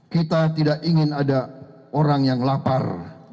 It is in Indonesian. kita tidak ingin ada orang yang lapar